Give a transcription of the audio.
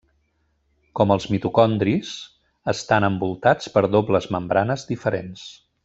Com els mitocondris, estan envoltats per dobles membranes diferents.